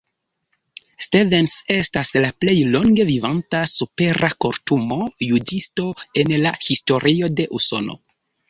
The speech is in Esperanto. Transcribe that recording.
Stevens estas la plej longe vivanta Supera-Kortumo-juĝisto en la historio de Usono.